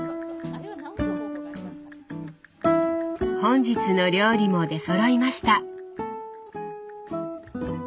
本日の料理も出そろいました。